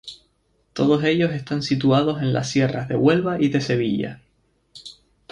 Todos ellos están situados en las sierras de Huelva y de Sevilla.